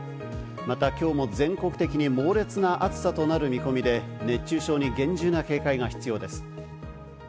またきょうも全国的に猛烈な暑さとなる見込みで、熱中症に厳重な警戒が必要です。